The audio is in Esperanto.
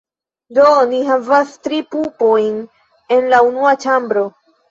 Do ni havas tri pupojn en la unua ĉambro.